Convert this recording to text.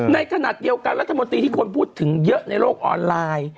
ในขณะเดียวกันรัฐมนตรีที่คนพูดถึงเยอะในโลกออนไลน์